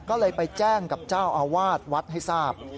ก็เลยไปแจ้งกับเจ้าอาวาสวัดให้ทราบ